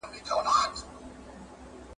مُلا به څنګه دلته پاچا وای !.